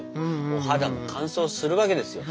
お肌も乾燥するわけですよ。